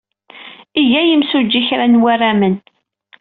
Iga yimsujji kra n warramen.